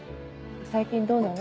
最近どうなの？